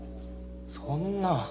そんな。